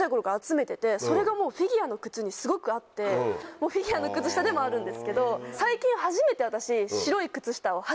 もうフィギュアの靴下でもあるんですけど。